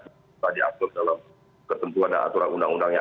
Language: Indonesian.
sudah diatur dalam ketentuan dan aturan undang undangnya